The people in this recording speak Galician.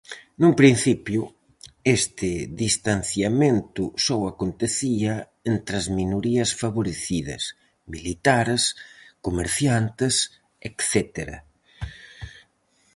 Nun principio, este distanciamento só acontecía entre as minorías favorecidas: militares, comerciantes etcétera.